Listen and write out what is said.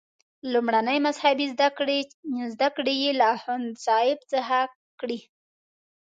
لومړنۍ مذهبي زده کړې یې له اخوندصاحب څخه کړي.